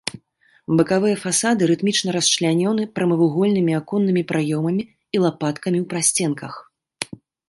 Бакавыя фасады рытмічна расчлянёны прамавугольнымі аконнымі праёмамі і лапаткамі ў прасценках.